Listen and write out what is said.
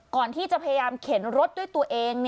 ก่อนที่จะพยายามเข็นรถด้วยตัวเอง